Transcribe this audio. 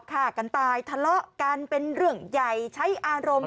ฆ่ากันตายทะเลาะกันเป็นเรื่องใหญ่ใช้อารมณ์